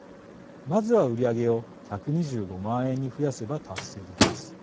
まずは売り上げを１２５万円に増やせば達成できます。